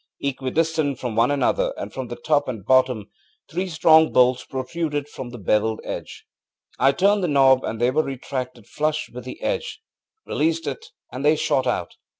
Equidistant from one another and from the top and bottom, three strong bolts protruded from the beveled edge. I turned the knob and they were retracted flush with the edge; released it, and they shot out.